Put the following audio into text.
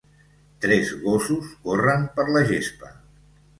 tres gossos corren per la gespa.